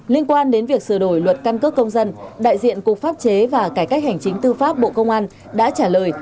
liên quan đến việc sửa đổi luật căn cước công dân đại diện cục pháp chế và cải cách hành chính tư pháp bộ công an đã trả lời